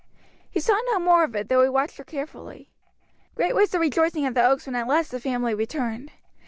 He saw no more of it, though he watched her carefully. Great was the rejoicing at the Oaks when at last the family returned.